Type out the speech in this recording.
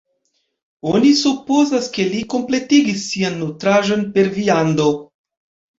Oni supozas, ke li kompletigis sian nutraĵon per viando.